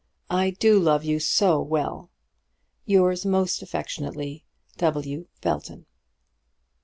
I do love you so well! Yours most affectionately, W. BELTON.